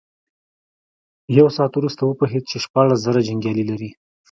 يو ساعت وروسته وپوهېد چې شپاړس زره جنيګالي لري.